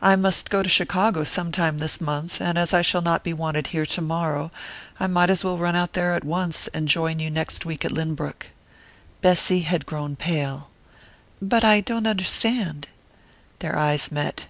"I must go to Chicago some time this month, and as I shall not be wanted here tomorrow I might as well run out there at once, and join you next week at Lynbrook." Bessy had grown pale. "But I don't understand " Their eyes met.